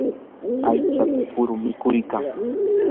aychata kuru mikuykan.